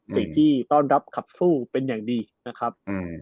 ที่ต้อนรับขับสู้เป็นอย่างดีนะครับ